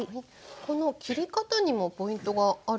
この切り方にもポイントがあるんでしょうか。